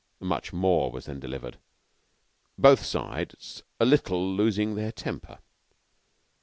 Much more was then delivered, both sides a little losing their temper.